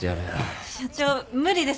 社長無理です。